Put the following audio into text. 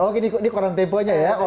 oh ini koran temponya ya